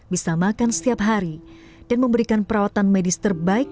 bisa makan setiap hari dan memberikan perawatan medis terbaik